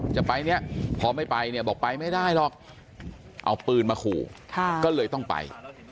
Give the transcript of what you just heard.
จะไปเนี่ยพอไม่ไปเนี่ยบอกไปไม่ได้หรอกเอาปืนมาขู่ก็เลยต้องไป